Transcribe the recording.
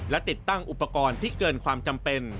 และติดตั้งอุปกรณ์ที่เกินความจำเป็น